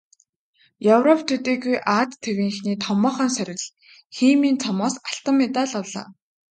Европ төдийгүй Ази тивийнхний томоохон сорил "Химийн цом"-оос алтан медаль авлаа.